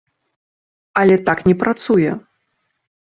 Але так не працуе.